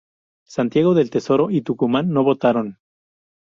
Santiago del Estero y Tucumán no votaron.